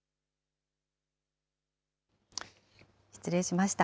失礼しました。